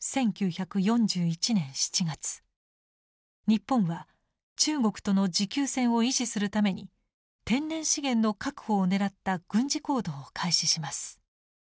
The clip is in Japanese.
１９４１年７月日本は中国との持久戦を維持するために天然資源の確保を狙った軍事行動を開始します。